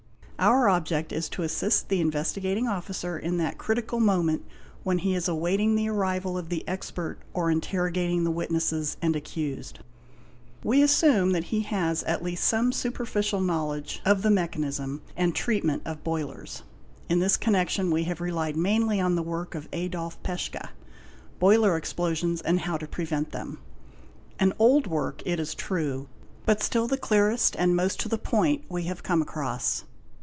Our object is to assist the Investigating Officer in that critical moment when he is awaiting the arrival of the expert or interrogating" the witnesses and accused. We assume that he has at least some superficial knowledge of the mechanism and treatment of boilers. In this connection we have relied mainly on the work of Adolphe Peschka : ''Boiler Explosions and how to prevent them "',—an old work it is true, but still the clearest and most to the point we have come across.